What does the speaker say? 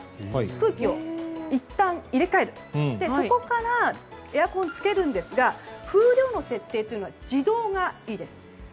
空気をいったん入れ換えてそこからエアコンをつけるんですが風量の設定は自動がいいです。